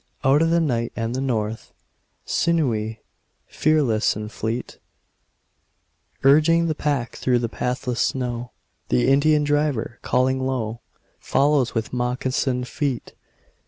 Out of the night and the north, Sinewy, fearless and fleet, Urging the pack through the pathless snow, The Indian driver, calling low, Follows with moccasined feet.